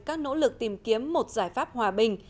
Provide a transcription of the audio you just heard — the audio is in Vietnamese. các nỗ lực tìm kiếm một giải pháp hòa bình